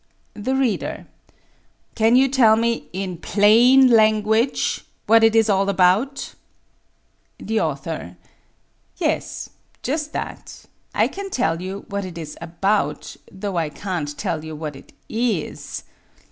The Reader: Can you tell me in plain language what it is all about? The Author: Yes. Just that. I can tell you what it is about, though I can't tell you what it is.